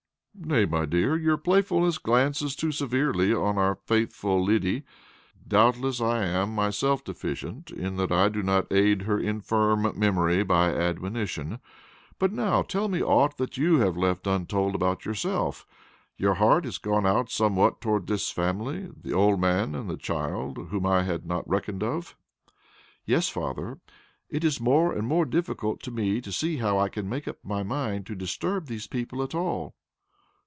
"Nay, my dear, your playfulness glances too severely on our faithful Lyddy. Doubtless I am myself deficient, in that I do not aid her infirm memory by admonition. But now tell me aught that you have left untold about yourself. Your heart has gone out somewhat toward this family the old man and the child, whom I had not reckoned of?" "Yes, father. It is more and more difficult to me to see how I can make up my mind to disturb these people at all."